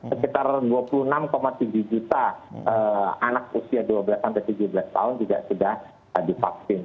sekitar dua puluh enam tujuh juta anak usia dua belas tujuh belas tahun juga sudah divaksin